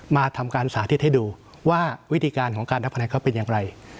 มาทำการสาธิตให้ดูว่าวิธีการของการนับคะแนนเขาเป็นอย่างไร